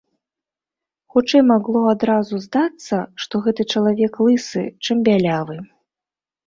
Хутчэй магло адразу здацца, што гэта чалавек лысы, чым бялявы.